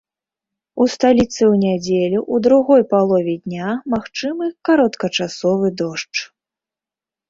У сталіцы ў нядзелю ў другой палове дня магчымы кароткачасовы дождж.